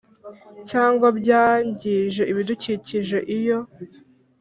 cyangwa byangije ibidukikije iyo